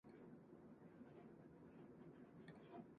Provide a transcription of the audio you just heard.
でも、考えても、思い出そうとしても、何も思い浮かばない